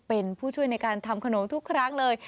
เป็นผู้ช่วยในการทำขนมทุกครั้งเลย